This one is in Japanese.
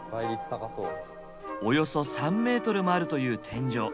およそ３メートルもあるという天井。